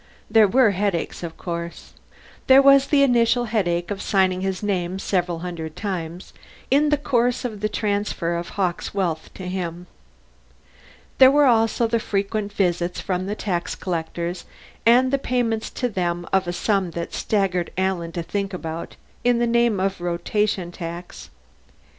There were headaches, of course. There was the initial headache of signing his name several hundred times in the course of the transfer of Hawkes' wealth to him. There were also the frequent visits from the tax collectors, and the payment to them of a sum that staggered Alan to think about, in the name of Rotation Tax.